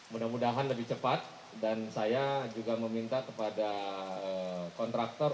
mudah mudahan lebih cepat dan saya juga meminta kepada kontraktor